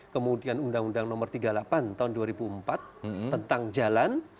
kemudian undang undang nomor tiga puluh delapan tahun dua ribu empat tentang jalan